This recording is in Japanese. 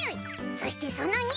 そしてその２！